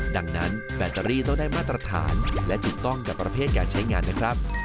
ดังนั้นแบตเตอรี่ต้องได้มาตรฐานและถูกต้องกับประเภทการใช้งานนะครับ